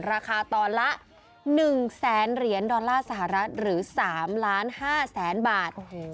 ราคาตอนละ๑แสนเหรียญดอลลาร์สหรัฐหรือ๓๕๐๐๐๐บาท